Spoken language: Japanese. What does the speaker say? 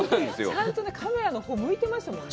ちゃんとカメラのほうを向いてましたもんね。